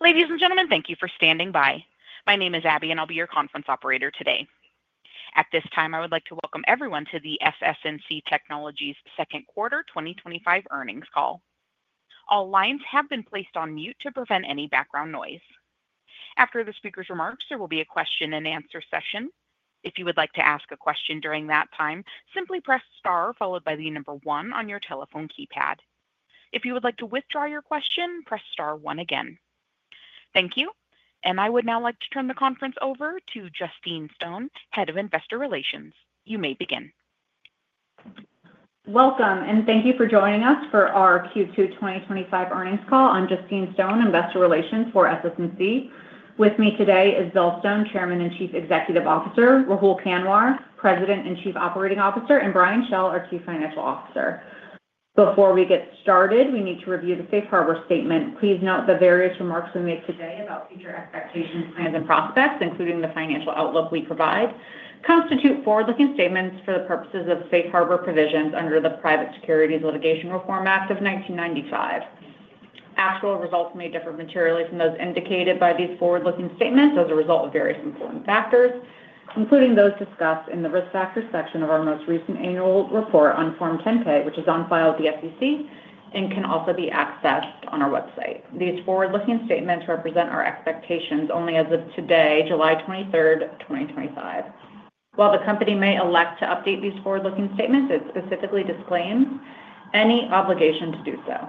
Ladies and gentlemen, thank you for standing by. My name is Abby, and I'll be your conference operator today. At this time, I would like to welcome everyone to the SS&C Technologies Second Quarter 2025 Earnings Call. All lines have been placed on mute to prevent any background noise. After the speaker's remarks, there will be a question-and-answer session. If you would like to ask a question during that time, simply press star followed by the number one on your telephone keypad. If you would like to withdraw your question, press star one again. Thank you. I would now like to turn the conference over to Justine Stone, Head of Investor Relations. You may begin. Welcome, and thank you for joining us for our Q2 2025 earnings call. I'm Justine Stone, Investor Relations for SS&C. With me today is Bill Stone, Chairman and Chief Executive Officer; Rahul Kanwar, President and Chief Operating Officer; and Brian Schell, our Chief Financial Officer. Before we get started, we need to review the Safe Harbor statement. Please note the various remarks we make today about future expectations, plans, and prospects, including the financial outlook we provide, constitute forward-looking statements for the purposes of Safe Harbor provisions under the Private Securities Litigation Reform Act of 1995. Actual results may differ materially from those indicated by these forward-looking statements as a result of various important factors, including those discussed in the risk factors section of our most recent annual report on Form 10-K, which is on file with the SEC and can also be accessed on our website. These forward-looking statements represent our expectations only as of today, July 23rd, 2025. While the company may elect to update these forward-looking statements, it specifically disclaims any obligation to do so.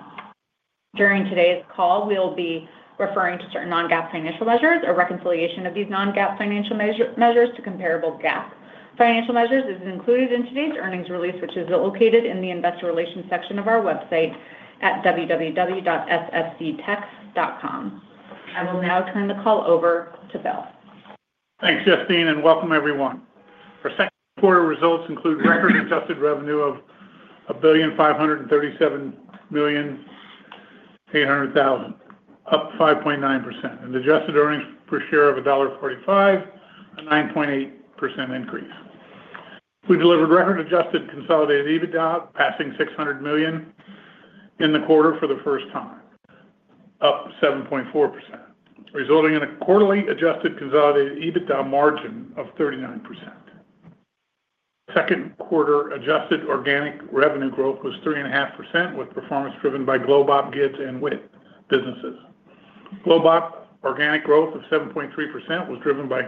During today's call, we will be referring to certain non-GAAP financial measures or reconciliation of these non-GAAP financial measures to comparable GAAP financial measures. This is included in today's earnings release, which is located in the Investor Relations section of our website at www.SSCTex.com. I will now turn the call over to Bill. Thanks, Justine, and welcome, everyone. Our second quarter results include record-adjusted revenue of $1,537.8 million, up 5.9%, and adjusted earnings per share of $1.45, a 9.8% increase. We delivered record-adjusted consolidated EBITDA, passing $600 million in the quarter for the first time, up 7.4%, resulting in a quarterly adjusted consolidated EBITDA margin of 39%. Second quarter adjusted organic revenue growth was 3.5%, with performance driven by GlobeOp, GIDS, and WIT businesses. GlobeOp's organic growth of 7.3% was driven by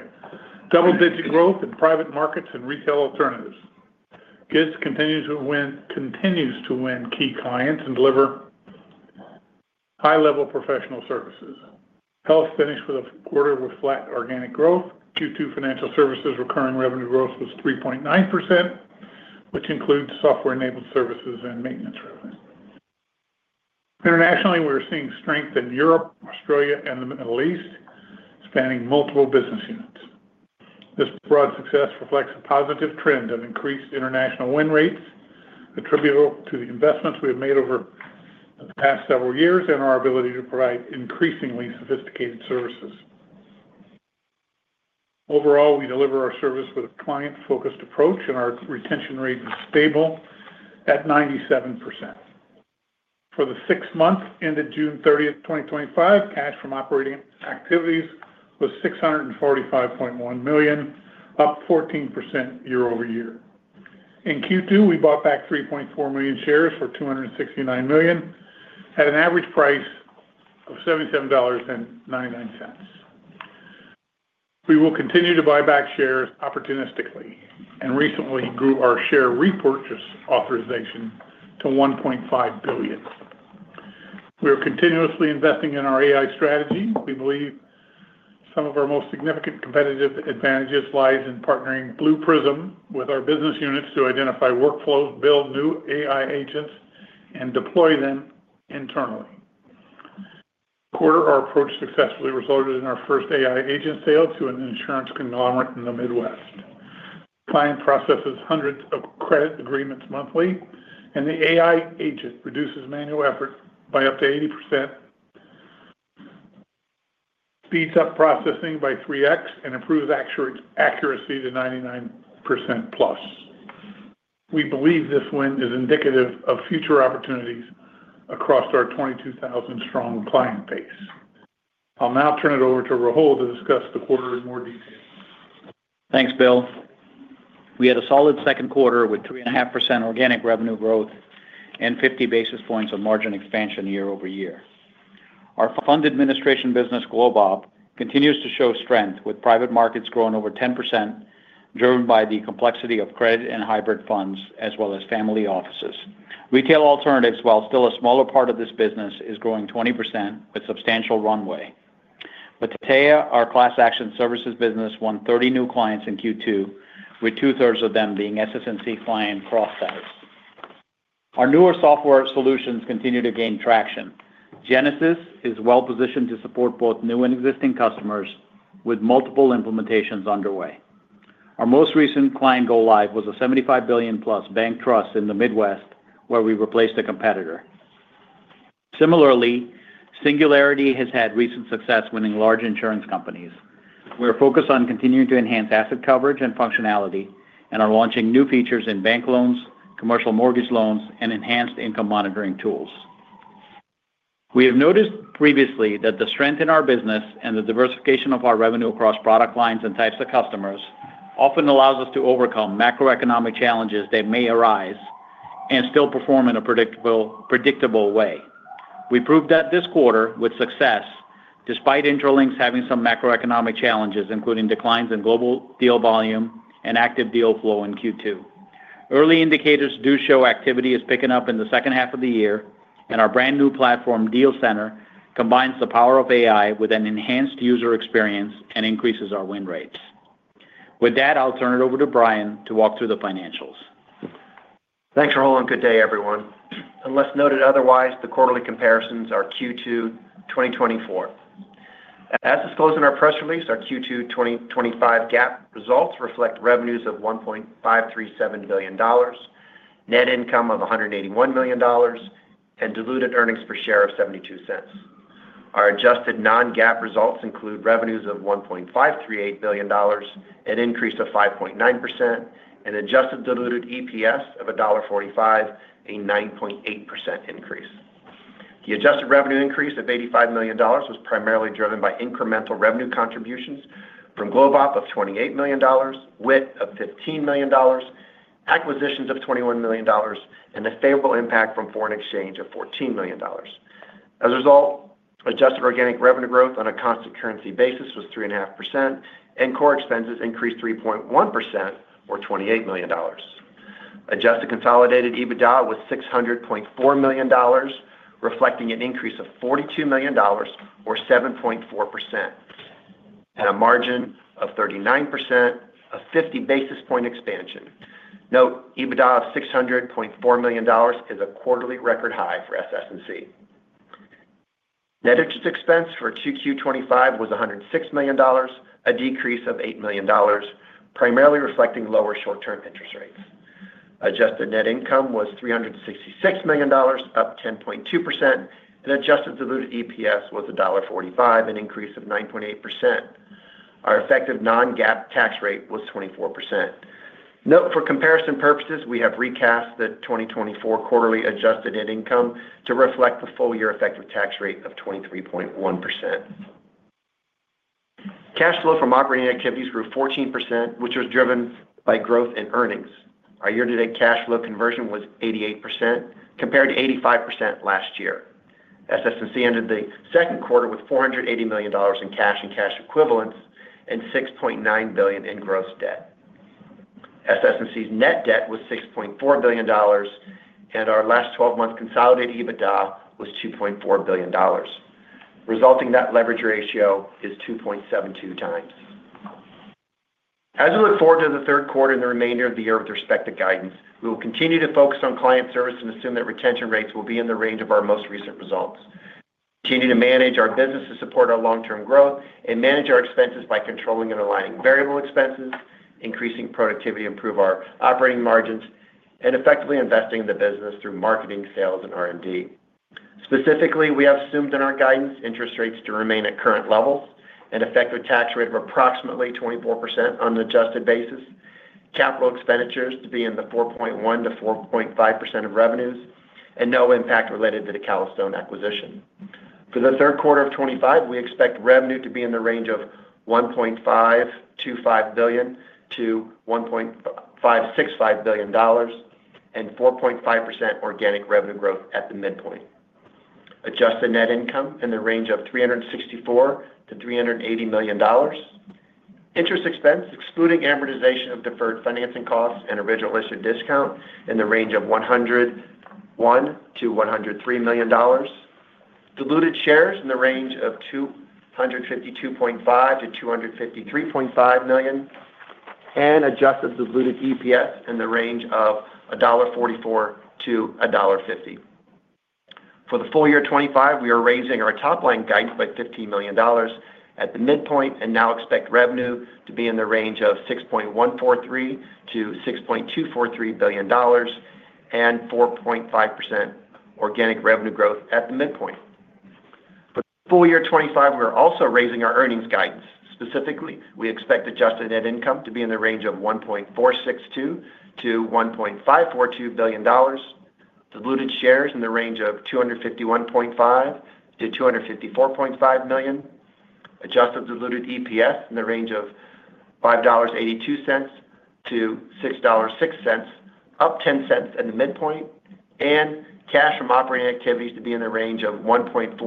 double-digit growth in private markets and retail alternatives. GIDS continues to win key clients and deliver high-level professional services. Health finished the quarter with flat organic growth. Q2 financial services' recurring revenue growth was 3.9%, which includes software-enabled services and maintenance revenue. Internationally, we are seeing strength in Europe, Australia, and the Middle East, spanning multiple business units. This broad success reflects a positive trend of increased international win rates attributable to the investments we have made over the past several years and our ability to provide increasingly sophisticated services. Overall, we deliver our service with a client-focused approach, and our retention rate is stable at 97%. For the six months ended June 30th, 2025, cash from operating activities was $645.1 million, up 14% year-over-year. In Q2, we bought back 3.4 million shares for $269 million, at an average price of $77.99. We will continue to buy back shares opportunistically and recently grew our share repurchase authorization to $1.5 billion. We are continuously investing in our AI strategy. We believe some of our most significant competitive advantages lie in partnering Blue Prism with our business units to identify workflows, build new AI agents, and deploy them internally. This quarter our approach successfully resulted in our first AI agent sale to an insurance conglomerate in the Midwest. The client processes hundreds of credit agreements monthly, and the AI agent reduces manual effort by up to 80%, speeds up processing by 3X, and improves accuracy to 99% plus. We believe this win is indicative of future opportunities across our 22,000-strong client base. I'll now turn it over to Rahul to discuss the quarter in more detail. Thanks, Bill. We had a solid second quarter with 3.5% organic revenue growth and 50 basis points of margin expansion year-over-year. Our fund administration business, GlobeOp, continues to show strength, with private markets growing over 10%. Driven by the complexity of credit and hybrid funds, as well as family offices. Retail alternatives, while still a smaller part of this business, are growing 20% with substantial runway. With Batia, our class action services business won 30 new clients in Q2, with two-thirds of them being SS&C client cross-sites. Our newer software solutions continue to gain traction. Genesis is well-positioned to support both new and existing customers, with multiple implementations underway. Our most recent client go-live was a $75 billion-plus bank trust in the Midwest, where we replaced a competitor. Similarly, Singularity has had recent success winning large insurance companies. We are focused on continuing to enhance asset coverage and functionality and are launching new features in bank loans, commercial mortgage loans, and enhanced income monitoring tools. We have noticed previously that the strength in our business and the diversification of our revenue across product lines and types of customers often allows us to overcome macroeconomic challenges that may arise and still perform in a predictable way. We proved that this quarter with success, despite Intralinks having some macroeconomic challenges, including declines in global deal volume and active deal flow in Q2. Early indicators do show activity is picking up in the second half of the year, and our brand-new platform, DealCenter, combines the power of AI with an enhanced user experience and increases our win rates. With that, I'll turn it over to Brian to walk through the financials. Thanks, Rahul. Good day, everyone. Unless noted otherwise, the quarterly comparisons are Q2 2024. As disclosed in our press release, our Q2 2025 GAAP results reflect revenues of $1.537 billion, net income of $181 million, and diluted earnings per share of $0.72. Our adjusted non-GAAP results include revenues of $1.538 billion, an increase of 5.9%, and adjusted diluted EPS of $1.45, a 9.8% increase. The adjusted revenue increase of $85 million was primarily driven by incremental revenue contributions from GlobeOp of $28 million, WIT of $15 million, acquisitions of $21 million, and a favorable impact from foreign exchange of $14 million. As a result, adjusted organic revenue growth on a constant currency basis was 3.5%, and core expenses increased 3.1%, or $28 million. Adjusted consolidated EBITDA was $600.4 million, reflecting an increase of $42 million or 7.4%, and a margin of 39%, a 50 basis point expansion. Note, EBITDA of $600.4 million is a quarterly record high for SS&C. Net interest expense for Q2 2025 was $106 million, a decrease of $8 million, primarily reflecting lower short-term interest rates. Adjusted net income was $366 million, up 10.2%, and adjusted diluted EPS was $1.45, an increase of 9.8%. Our effective non-GAAP tax rate was 24%. Note, for comparison purposes, we have recast the 2024 quarterly adjusted net income to reflect the full-year effective tax rate of 23.1%. Cash flow from operating activities grew 14%, which was driven by growth in earnings. Our year-to-date cash flow conversion was 88%, compared to 85% last year. SS&C ended the second quarter with $480 million in cash and cash equivalents and $6.9 billion in gross debt. SS&C's net debt was $6.4 billion, and our last 12-month consolidated EBITDA was $2.4 billion, resulting net leverage ratio is 2.72 times. As we look forward to the third quarter and the remainder of the year with respect to guidance, we will continue to focus on client service and assume that retention rates will be in the range of our most recent results. Continue to manage our business to support our long-term growth and manage our expenses by controlling and aligning variable expenses, increasing productivity to improve our operating margins, and effectively investing in the business through marketing, sales, and R&D. Specifically, we have assumed in our guidance interest rates to remain at current levels and effective tax rate of approximately 24% on an adjusted basis, capital expenditures to be in the 4.1%-4.5% of revenues, and no impact related to the Calastone acquisition. For the third quarter of 2025, we expect revenue to be in the range of $1.525 billion-$1.565 billion and 4.5% organic revenue growth at the midpoint. Adjusted net income in the range of $364-$380 million. Interest expense, excluding amortization of deferred financing costs and original issue discount, in the range of $101-$103 million. Diluted shares in the range of 252.5-253.5 million, and adjusted diluted EPS in the range of $1.44-$1.50. For the full-year 2025, we are raising our top-line guidance by $15 million at the midpoint and now expect revenue to be in the range of $6.143 billion-$6.243 billion, and 4.5% organic revenue growth at the midpoint. For the full-year 2025, we are also raising our earnings guidance. Specifically, we expect adjusted net income to be in the range of $1.462 billion-$1.542 billion, diluted shares in the range of 251.5 million-254.5 million, adjusted diluted EPS in the range of $5.82-$6.06, up $0.10 at the midpoint, and cash from operating activities to be in the range of $1.479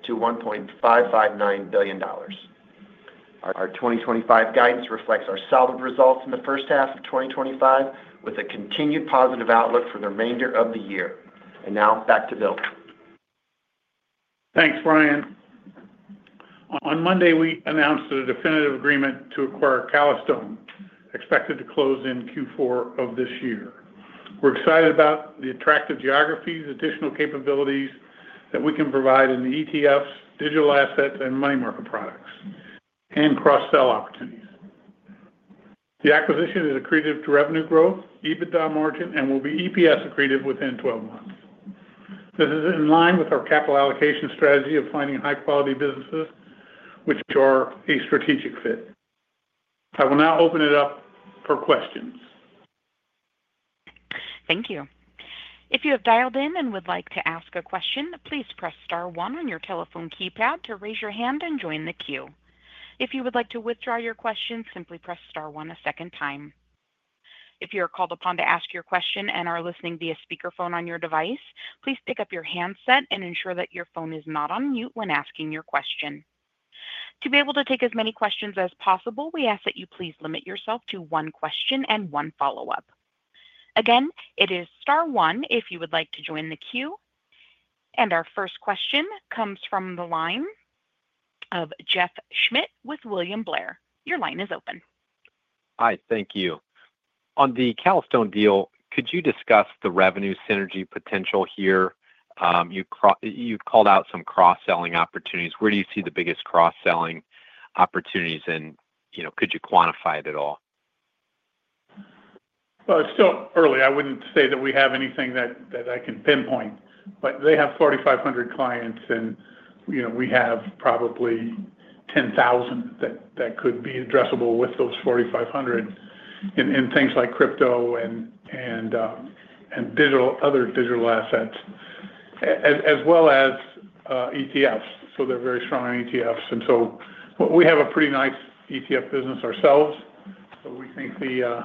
billion-$1.559 billion. Our 2025 guidance reflects our solid results in the first half of 2025, with a continued positive outlook for the remainder of the year. Now back to Bill. Thanks, Brian. On Monday, we announced the definitive agreement to acquire Calastone, expected to close in Q4 of this year. We're excited about the attractive geographies, additional capabilities that we can provide in the ETFs, digital assets, and money market products, and cross-sell opportunities. The acquisition is accretive to revenue growth, EBITDA margin, and will be EPS accretive within 12 months. This is in line with our capital allocation strategy of finding high-quality businesses, which are a strategic fit. I will now open it up for questions. Thank you. If you have dialed in and would like to ask a question, please press star one on your telephone keypad to raise your hand and join the queue. If you would like to withdraw your question, simply press star one a second time. If you are called upon to ask your question and are listening via speakerphone on your device, please pick up your handset and ensure that your phone is not on mute when asking your question. To be able to take as many questions as possible, we ask that you please limit yourself to one question and one follow-up. Again, it is star one if you would like to join the queue. Our first question comes from the line of Jeff Schmitt with William Blair. Your line is open. Hi, thank you. On the Calastone deal, could you discuss the revenue synergy potential here? You called out some cross-selling opportunities. Where do you see the biggest cross-selling opportunities, and could you quantify it at all? It is still early. I would not say that we have anything that I can pinpoint, but they have 4,500 clients, and we have probably 10,000 that could be addressable with those 4,500 in things like crypto and digital, other digital assets, as well as ETFs. They are very strong in ETFs. We have a pretty nice ETF business ourselves, so we think the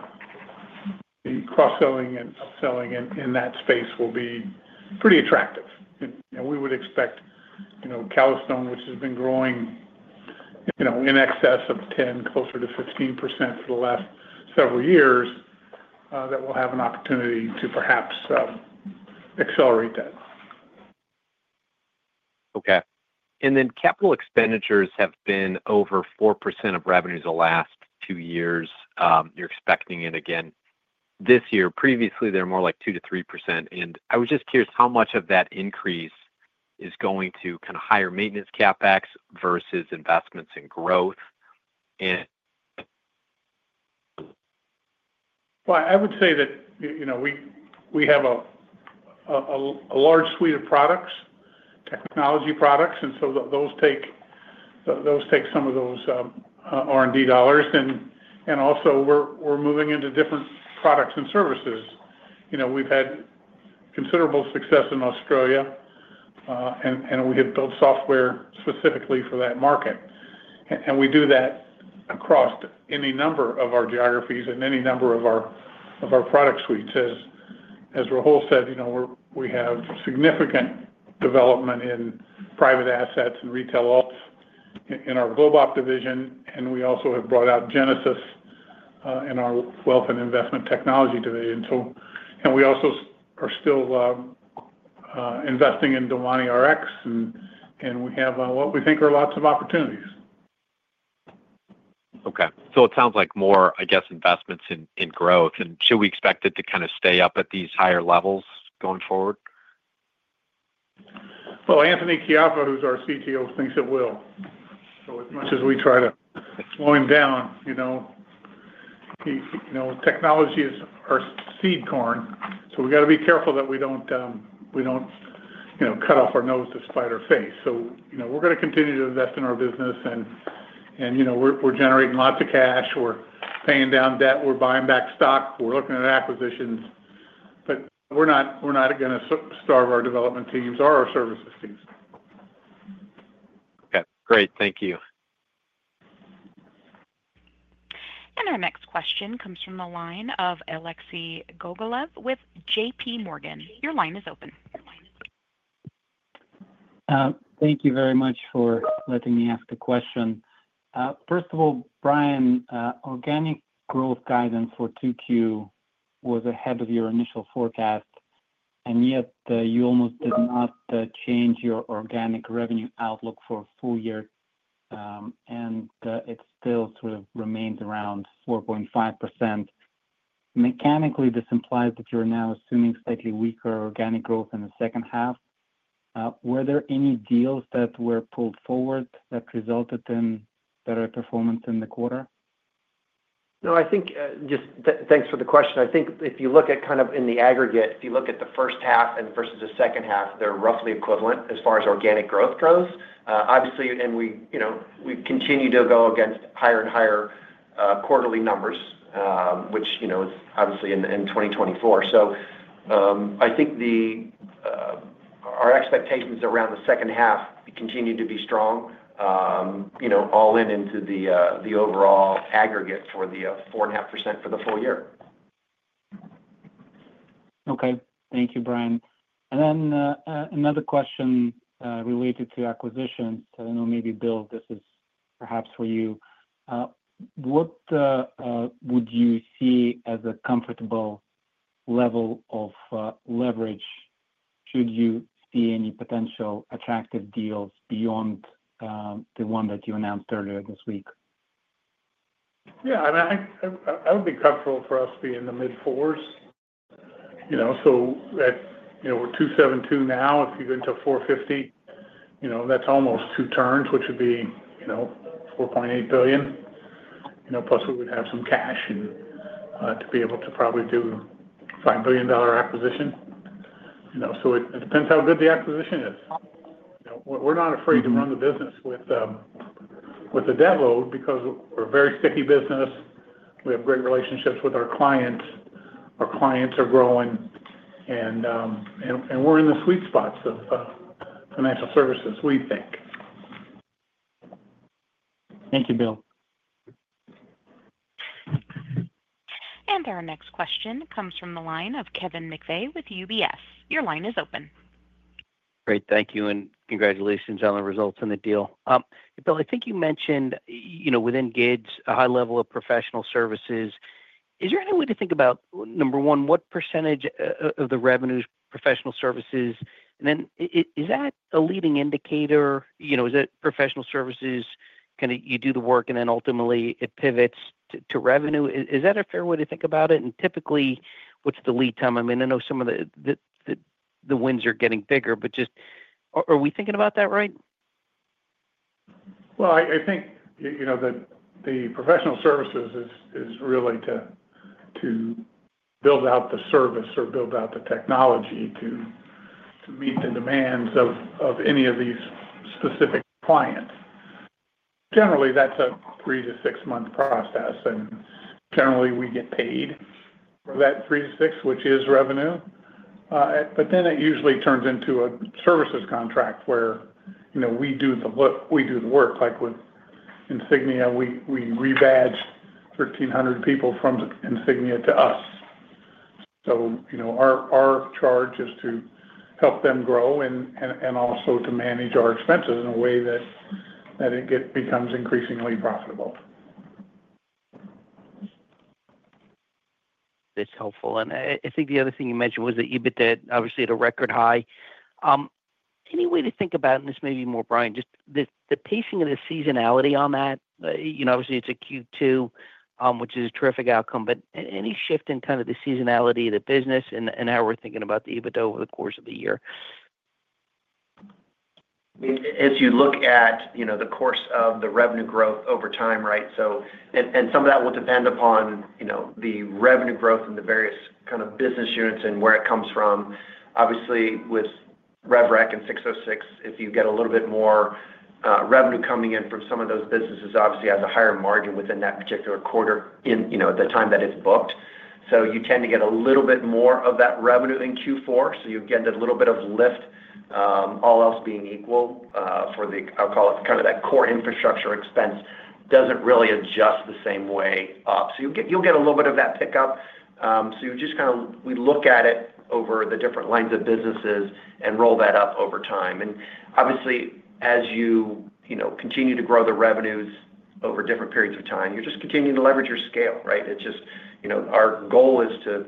cross-selling and upselling in that space will be pretty attractive. We would expect Calastone, which has been growing in excess of 10%, closer to 15% for the last several years, that we will have an opportunity to perhaps accelerate that. Okay. And then capital expenditures have been over 4% of revenues the last two years. You're expecting it again this year. Previously, they were more like 2-3%. I was just curious how much of that increase is going to kind of higher maintenance CapEx versus investments in growth. And. We have a large suite of products, technology products, and so those take some of those R&D dollars. Also, we are moving into different products and services. We have had considerable success in Australia, and we have built software specifically for that market. We do that across any number of our geographies and any number of our product suites. As Rahul said, we have significant development in private assets and retail ops in our GlobeOp division, and we also have brought out Genesis in our wealth and investment technology division. We also are still investing in Money RX, and we have what we think are lots of opportunities. Okay. It sounds like more, I guess, investments in growth. Should we expect it to kind of stay up at these higher levels going forward? Anthony Caiafa, who's our CTO, thinks it will. As much as we try to slow him down. Technology is our seed corn, so we've got to be careful that we don't cut off our nose to spite our face. We're going to continue to invest in our business, and we're generating lots of cash. We're paying down debt. We're buying back stock. We're looking at acquisitions. We're not going to starve our development teams or our services teams. Okay. Great. Thank you. Our next question comes from the line of Alexei Gogolev with JPMorgan. Your line is open. Thank you very much for letting me ask the question. First of all, Brian, organic growth guidance for Q2 was ahead of your initial forecast. Yet, you almost did not change your organic revenue outlook for a full-year, and it still sort of remains around 4.5%. Mechanically, this implies that you're now assuming slightly weaker organic growth in the second half. Were there any deals that were pulled forward that resulted in better performance in the quarter? No, I think just thanks for the question. I think if you look at kind of in the aggregate, if you look at the first half versus the second half, they're roughly equivalent as far as organic growth goes. Obviously, we continue to go against higher and higher quarterly numbers, which is obviously in 2024. I think our expectations around the second half continue to be strong. All in into the overall aggregate for the 4.5% for the full-year. Okay. Thank you, Brian. Then another question related to acquisitions. I don't know, maybe Bill, this is perhaps for you. What would you see as a comfortable level of leverage should you see any potential attractive deals beyond the one that you announced earlier this week? Yeah. I mean, I would be comfortable for us to be in the mid-4s. So, we're 2.72 now. If you go into 4.50, that's almost two turns, which would be $4.8 billion. Plus, we would have some cash to be able to probably do a $5 billion acquisition. It depends how good the acquisition is. We're not afraid to run the business with a debt load because we're a very sticky business. We have great relationships with our clients. Our clients are growing, and we're in the sweet spots of financial services, we think. Thank you, Bill. Our next question comes from the line of Kevin McVay with UBS. Your line is open. Great. Thank you. Congratulations on the results and the deal. Bill, I think you mentioned within GIDS, a high level of professional services. Is there any way to think about, number one, what percentage of the revenue is professional services? Is that a leading indicator? Is it professional services? Kind of you do the work, and then ultimately, it pivots to revenue. Is that a fair way to think about it? Typically, what's the lead time? I mean, I know some of the wins are getting bigger, but just are we thinking about that right? I think the professional services is really to build out the service or build out the technology to meet the demands of any of these specific clients. Generally, that's a three to six-month process. Generally, we get paid for that three to six, which is revenue. It usually turns into a services contract where we do the work. Like with Insignia, we rebadge 1,300 people from Insignia to us. Our charge is to help them grow and also to manage our expenses in a way that it becomes increasingly profitable. It's helpful. I think the other thing you mentioned was that EBITDA is obviously at a record high. Any way to think about, and this may be more Brian, just the pacing of the seasonality on that? Obviously, it's a Q2, which is a terrific outcome, but any shift in kind of the seasonality of the business and how we're thinking about the EBITDA over the course of the year? I mean, as you look at the course of the revenue growth over time, right? And some of that will depend upon the revenue growth and the various kind of business units and where it comes from. Obviously, with RevRec and 606, if you get a little bit more revenue coming in from some of those businesses, obviously, has a higher margin within that particular quarter at the time that it's booked. You tend to get a little bit more of that revenue in Q4, so you get a little bit of lift, all else being equal. For the, I'll call it kind of that core infrastructure expense, doesn't really adjust the same way up. You'll get a little bit of that pickup. You just kind of, we look at it over the different lines of businesses and roll that up over time. Obviously, as you continue to grow the revenues over different periods of time, you're just continuing to leverage your scale, right? It's just our goal is to,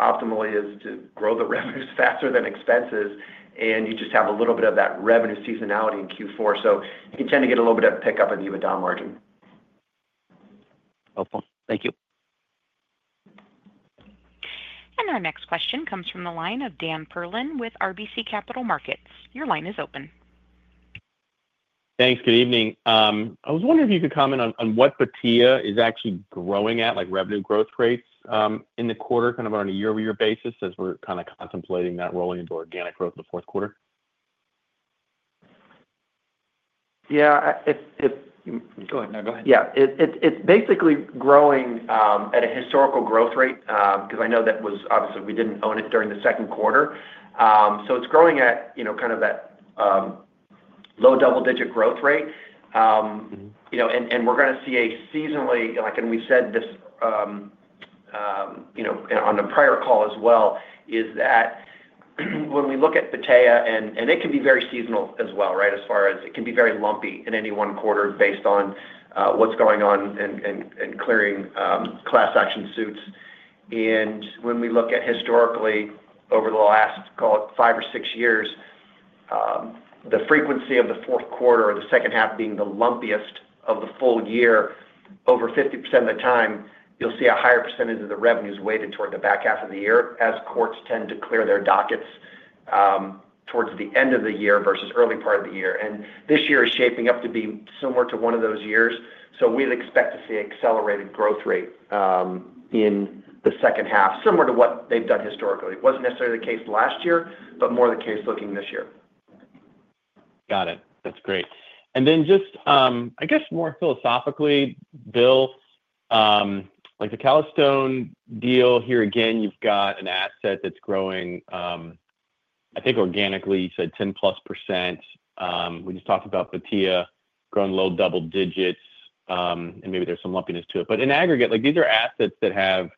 optimally, is to grow the revenues faster than expenses, and you just have a little bit of that revenue seasonality in Q4. You can tend to get a little bit of pickup in the EBITDA margin. Helpful. Thank you. Our next question comes from the line of Dan Perlin with RBC Capital Markets. Your line is open. Thanks. Good evening. I was wondering if you could comment on what Batia is actually growing at, like revenue growth rates in the quarter, kind of on a year-over-year basis, as we're kind of contemplating that rolling into organic growth in the fourth quarter. Yeah. Go ahead. No, go ahead. Yeah. It's basically growing at a historical growth rate because I know that was obviously we didn't own it during the second quarter. So it's growing at kind of that low double-digit growth rate. We're going to see a seasonally, and we said this on a prior call as well, is that when we look at Batia, and it can be very seasonal as well, right, as far as it can be very lumpy in any one quarter based on what's going on and clearing class action suits. When we look at historically over the last, call it, five or six years, the frequency of the fourth quarter or the second half being the lumpiest of the full-year, over 50% of the time, you'll see a higher percentage of the revenues weighted toward the back half of the year as courts tend to clear their dockets towards the end of the year versus early part of the year. This year is shaping up to be similar to one of those years. We'd expect to see an accelerated growth rate in the second half, similar to what they've done historically. It wasn't necessarily the case last year, but more the case looking this year. Got it. That's great. And then just, I guess, more philosophically, Bill. Like the Calastone deal here, again, you've got an asset that's growing. I think organically, you said 10% plus. We just talked about Batia growing low double digits, and maybe there's some lumpiness to it. But in aggregate, these are assets that have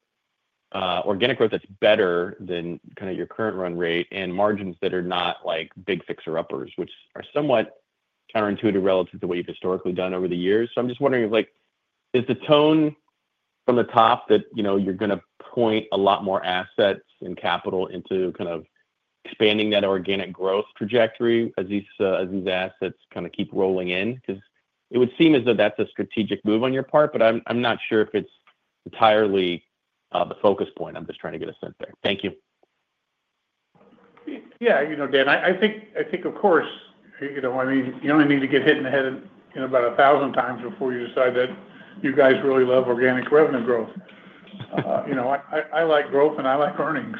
organic growth that's better than kind of your current run rate and margins that are not like big fixer-uppers, which are somewhat counterintuitive relative to what you've historically done over the years. So I'm just wondering, is the tone from the top that you're going to point a lot more assets and capital into kind of expanding that organic growth trajectory as these assets kind of keep rolling in? Because it would seem as though that's a strategic move on your part, but I'm not sure if it's entirely the focus point. I'm just trying to get a sense there. Thank you. Yeah. Dan, I think, of course. I mean, you only need to get hit in the head about a thousand times before you decide that you guys really love organic revenue growth. I like growth, and I like earnings.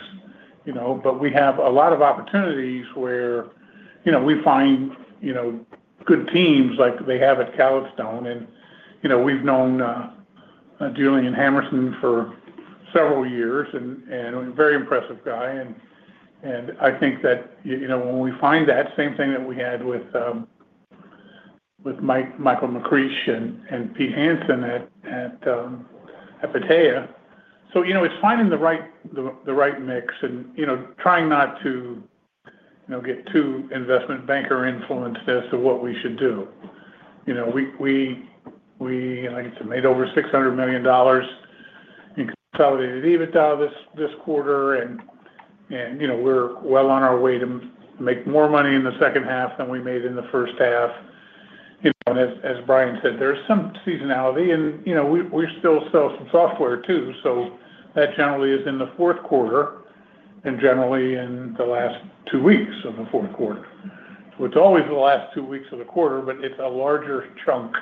But we have a lot of opportunities where we find good teams like they have at Calastone. And we've known Julian Hammerson for several years, and a very impressive guy. And I think that when we find that, same thing that we had with Michael McCreach and Pete Hansen at Batia. So it's finding the right mix and trying not to get too investment banker influenced as to what we should do. We, like I said, made over $600 million in consolidated EBITDA this quarter, and we're well on our way to make more money in the second half than we made in the first half. As Brian said, there's some seasonality, and we still sell some software too. That generally is in the fourth quarter and generally in the last two weeks of the fourth quarter. It's always the last two weeks of the quarter, but it's a larger chunk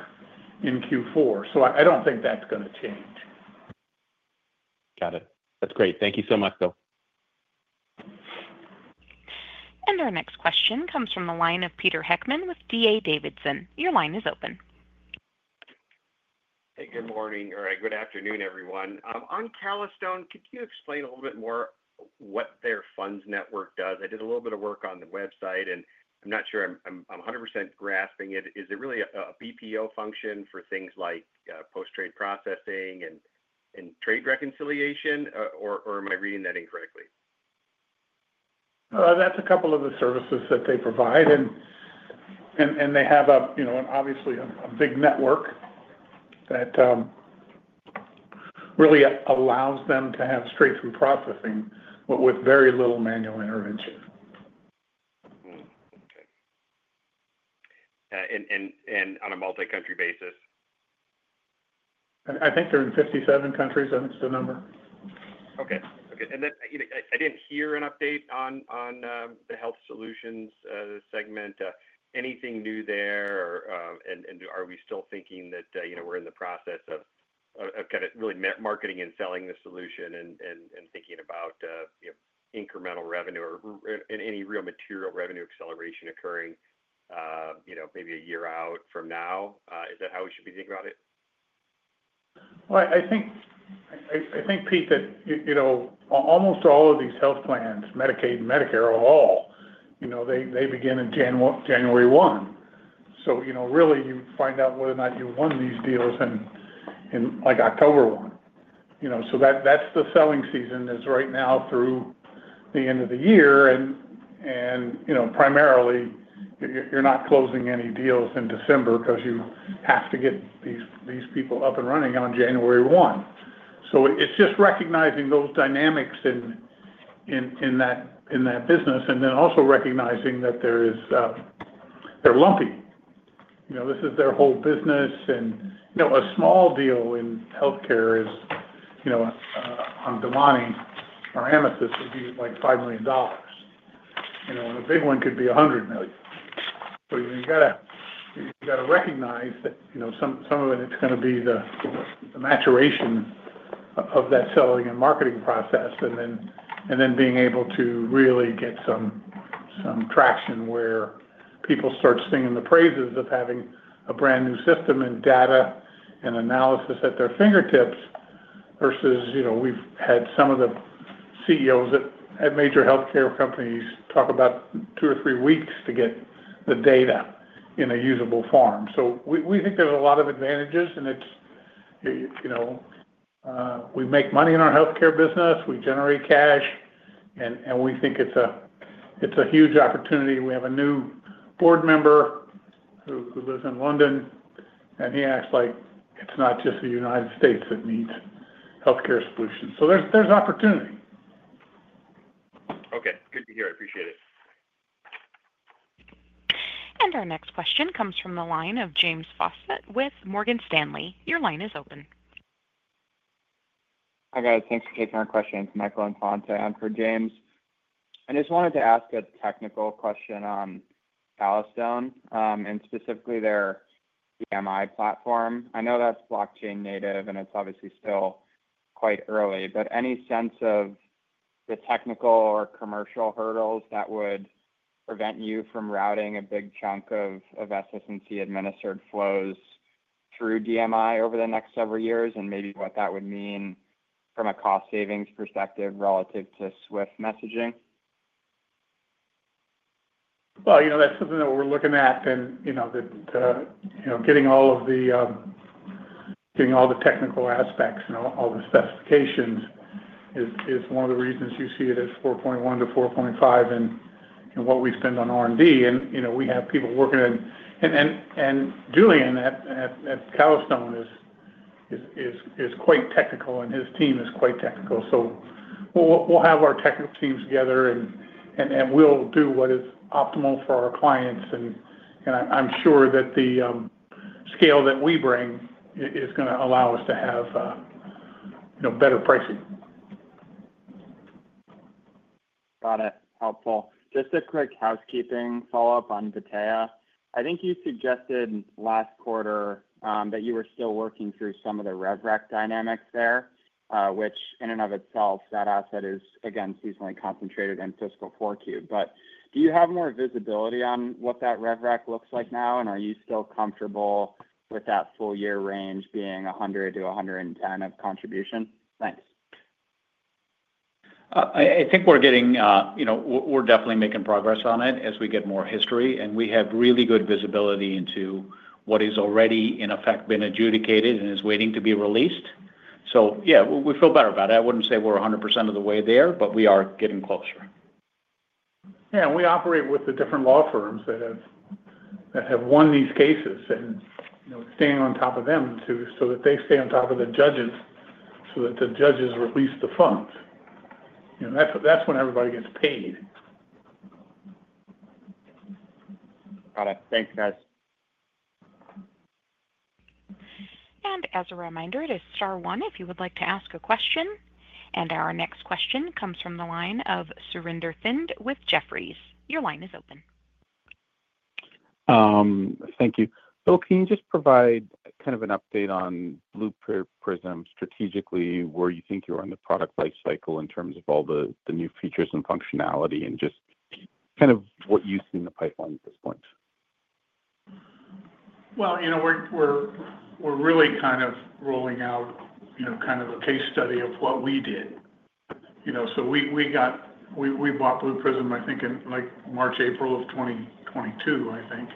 in Q4. I don't think that's going to change. Got it. That's great. Thank you so much, Bill. Our next question comes from the line of Peter Heckmann with D.A. Davidson. Your line is open. Hey, good morning or good afternoon, everyone. On Calastone, could you explain a little bit more what their funds network does? I did a little bit of work on the website, and I'm not sure I'm 100% grasping it. Is it really a BPO function for things like post-trade processing and trade reconciliation, or am I reading that incorrectly? That's a couple of the services that they provide. They have obviously a big network that really allows them to have straight-through processing but with very little manual intervention. Okay. On a multi-country basis? I think they're in 57 countries. I think it's the number. Okay. Okay. I didn't hear an update on the health solutions segment. Anything new there? Are we still thinking that we're in the process of kind of really marketing and selling the solution and thinking about incremental revenue or any real material revenue acceleration occurring maybe a year out from now? Is that how we should be thinking about it? I think, Pete, that almost all of these health plans, Medicaid and Medicare, all begin on January 1. You find out whether or not you won these deals on October 1. The selling season is right now through the end of the year. Primarily, you're not closing any deals in December because you have to get these people up and running on January 1. It's just recognizing those dynamics in that business and then also recognizing that they're lumpy. This is their whole business. A small deal in healthcare is, on DelMonte, our amethyst, would be like $5 million. A big one could be $100 million. You've got to recognize that some of it is going to be the maturation of that selling and marketing process and then being able to really get some traction where people start singing the praises of having a brand new system and data and analysis at their fingertips versus we've had some of the CEOs at major healthcare companies talk about two or three weeks to get the data in a usable form. We think there's a lot of advantages, and we make money in our healthcare business. We generate cash. We think it's a huge opportunity. We have a new board member who lives in London, and he acts like it's not just the United States that needs healthcare solutions. There's opportunity. Okay. Good to hear. I appreciate it. Our next question comes from the line of James Fosbett with Morgan Stanley. Your line is open. Hi guys. Thanks for taking our questions, Michael Infante. I'm for James. I just wanted to ask a technical question on Calastone and specifically their DMI platform. I know that's blockchain native, and it's obviously still quite early, but any sense of the technical or commercial hurdles that would prevent you from routing a big chunk of SS&C administered flows through DMI over the next several years and maybe what that would mean from a cost-savings perspective relative to Swift messaging? That is something that we're looking at. Getting all of the technical aspects and all the specifications is one of the reasons you see it as 4.1-4.5 in what we spend on R&D. We have people working in it, and Julian at Calastone is quite technical, and his team is quite technical. We will have our technical teams together, and we will do what is optimal for our clients. I am sure that the scale that we bring is going to allow us to have better pricing. Got it. Helpful. Just a quick housekeeping follow-up on Batia. I think you suggested last quarter that you were still working through some of the RevRec dynamics there, which in and of itself, that asset is, again, seasonally concentrated in fiscal Q4. Do you have more visibility on what that RevRec looks like now, and are you still comfortable with that full-year range being $100 million-$110 million of contribution? Thanks. I think we're getting—we're definitely making progress on it as we get more history, and we have really good visibility into what has already in effect been adjudicated and is waiting to be released. Yeah, we feel better about it. I wouldn't say we're 100% of the way there, but we are getting closer. Yeah. We operate with the different law firms that have won these cases and staying on top of them so that they stay on top of the judges so that the judges release the funds. That's when everybody gets paid. Got it. Thanks, guys. As a reminder, it is Star One if you would like to ask a question. Our next question comes from the line of Surinder Thind with Jefferies. Your line is open. Thank you. Bill, can you just provide kind of an update on Blue Prism strategically, where you think you're on the product life cycle in terms of all the new features and functionality and just kind of what you see in the pipeline at this point? We're really kind of rolling out kind of a case study of what we did. We bought Blue Prism, I think, in March, April of 2022, I think.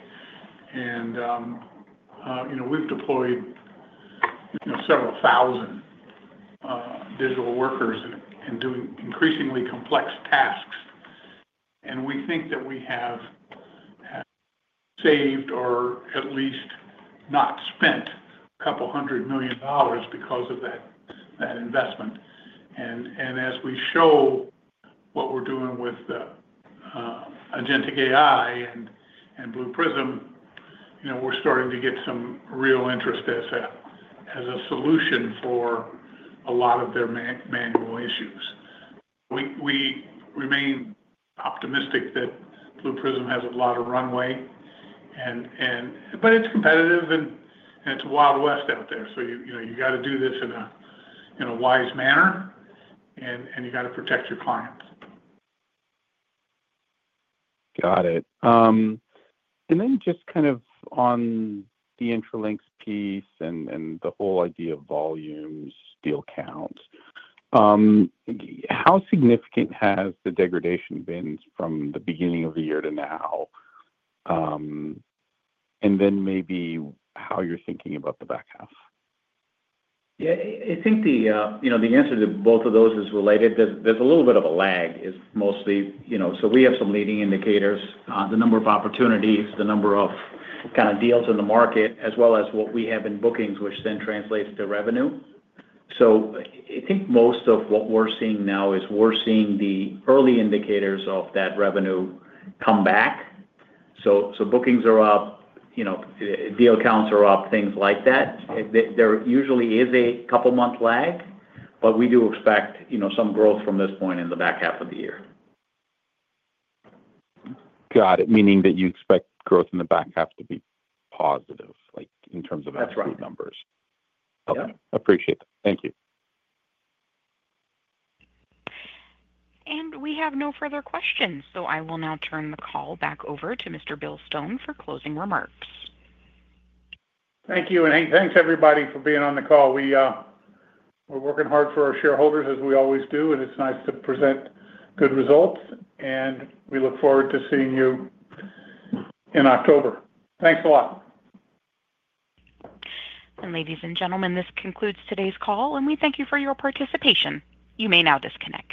We've deployed several thousand digital workers and doing increasingly complex tasks. We think that we have saved or at least not spent a couple hundred million dollars because of that investment. As we show what we're doing with agentic AI and Blue Prism, we're starting to get some real interest as a solution for a lot of their manual issues. We remain optimistic that Blue Prism has a lot of runway. It's competitive, and it's a wild west out there. You got to do this in a wise manner, and you got to protect your clients. Got it. And then just kind of on the Intralinks piece and the whole idea of volumes, deal counts. How significant has the degradation been from the beginning of the year to now? And then maybe how you're thinking about the back half? Yeah. I think the answer to both of those is related. There's a little bit of a lag. It's mostly, so we have some leading indicators, the number of opportunities, the number of kind of deals in the market, as well as what we have in bookings, which then translates to revenue. I think most of what we're seeing now is we're seeing the early indicators of that revenue come back. Bookings are up. Deal counts are up, things like that. There usually is a couple-month lag, but we do expect some growth from this point in the back half of the year. Got it. Meaning that you expect growth in the back half to be positive in terms of actual numbers. That's right. Yeah. Okay. Appreciate that. Thank you. We have no further questions, so I will now turn the call back over to Mr. Bill Stone for closing remarks. Thank you. Thanks, everybody, for being on the call. We are working hard for our shareholders, as we always do, and it's nice to present good results. We look forward to seeing you in October. Thanks a lot. Ladies and gentlemen, this concludes today's call, and we thank you for your participation. You may now disconnect.